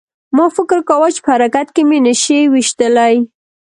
ما فکر کاوه چې په حرکت کې مې نشي ویشتلی